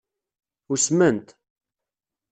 Usment.